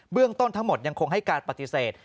เรื่องต้นทั้งหมดยังคงให้การปฏิเสธ